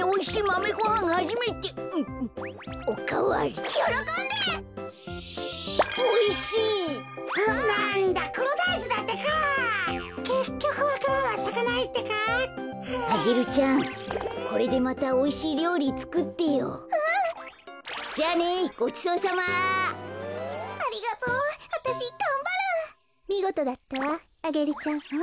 みごとだったわアゲルちゃん。